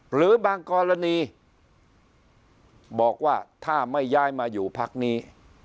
หรือบางกรณีบอกว่าถ้าไม่ย้ายมาอยู่พักนี้